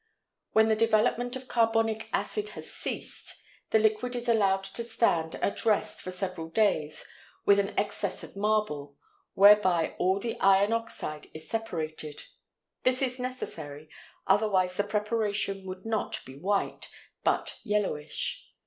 When the development of carbonic acid has ceased, the liquid is allowed to stand at rest for several days with an excess of marble, whereby all the iron oxide is separated. This is necessary, otherwise the preparation would not be white, but yellowish.